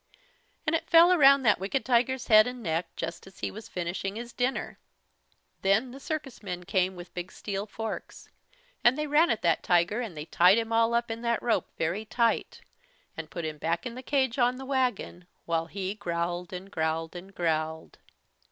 And it fell around that wicked tiger's head and neck, just as he was finishing his dinner. Then the circus men came with big steel forks, and they ran at that tiger, and they tied him all up in that rope very tight, and put him back in the cage on the wagon, while he growled and growled and growled.